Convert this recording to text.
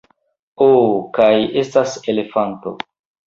Oh kaj estas elefanto